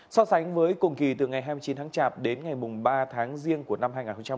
so sánh với cùng kỳ từ ngày hai mươi chín tháng chạp đến ngày mùng ba tháng riêng của năm hai nghìn một mươi chín